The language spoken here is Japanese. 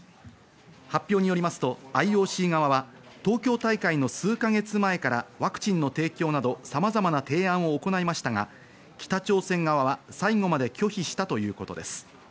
発表によりますとＩＯＣ側は東京大会の数か月前からワクチンの提供など、さまざまな提案を行いましたが、北朝鮮側は最後まで拒否したということです。